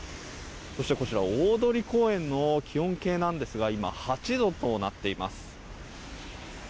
そしてこちら大通公園の気温計ですが８度となっています。